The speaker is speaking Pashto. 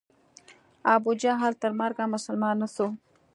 ابو جهل تر مرګه مسلمان نه سو.